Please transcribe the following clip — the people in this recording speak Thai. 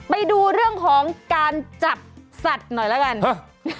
ไปดูเรื่องของการจับสัตว์หน่อยแล้วกันครับ